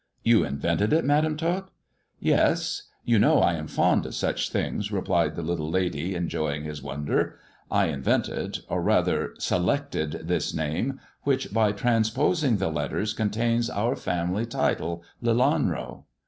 You invented it. Madam Tot ?"" Yes. You know I am fond of such things," replied the little lady, enjoying his wonder. " I invented — or rather selected this name, which, by transposing the letters, contains our family title, Lelanro."